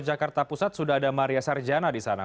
jakarta pusat sudah ada maria sarjana di sana